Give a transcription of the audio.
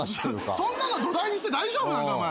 そんなの土台にして大丈夫なのかお前。